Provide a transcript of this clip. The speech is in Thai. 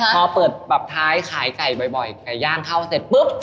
พอเปิดแบบท้ายขายไก่บ่อยไก่ย่างเข้าเสร็จปุ๊บ